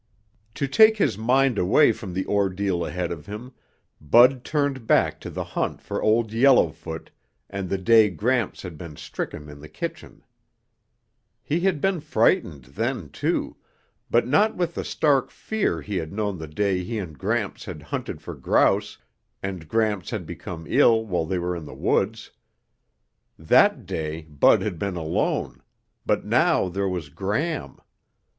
To take his mind away from the ordeal ahead of him, Bud turned back to the hunt for Old Yellowfoot and the day Gramps had been stricken in the kitchen. He had been frightened then, too, but not with the stark fear he had known the day he and Gramps had hunted for grouse and Gramps had become ill while they were in the woods. That day Bud had been alone, but now there was Gram.